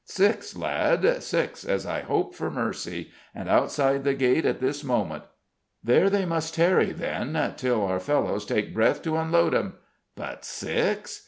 "Six, lad six, as I hope for mercy: and outside the gate at this moment." "There they must tarry, then, till our fellows take breath to unload 'em. But six?